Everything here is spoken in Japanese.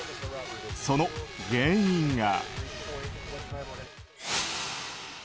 その原因が。